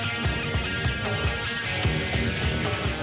โอ้โอ้โอ้โอ้